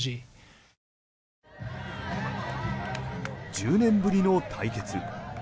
１０年ぶりの対決。